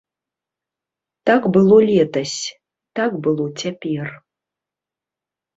Так было летась, так было цяпер.